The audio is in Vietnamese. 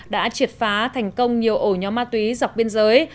đã triệt phá thành công nhiều ổ nhóm ma túy dọc biên giới